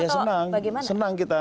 ya senang senang kita